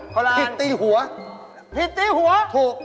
คนละอันพี่ตีหัวพี่ตีหัวถูก